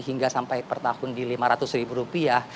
hingga sampai per tahun di lima ratus ribu rupiah